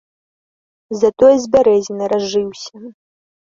Затое ж бярэзіны разжыўся.